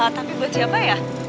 tapi buat siapa ya